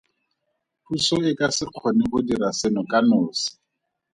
Puso e ka se kgone go dira seno ka nosi.